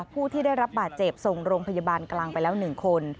ผู้ที่ได้รับบาดเจ็บส่งโรงพยาบาลกลางไปแล้ว๑คน